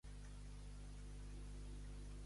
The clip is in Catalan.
Anirem a buscar lunaria annua per fer un ram